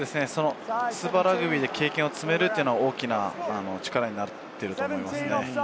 スーパーラグビーで経験を積めるというのは大きな力になっていると思いますね。